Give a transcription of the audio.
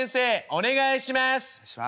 「お願いします」。